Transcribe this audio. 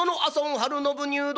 晴信入道